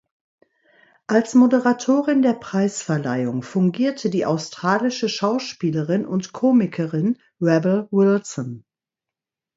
Als Moderatorin der Preisverleihung fungierte die australische Schauspielerin und Komikerin Rebel Wilson.